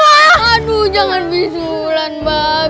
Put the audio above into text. aduh jangan bisulan mbak